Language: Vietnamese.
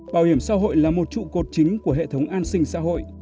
bảo hiểm xã hội là một trụ cột chính của hệ thống an sinh xã hội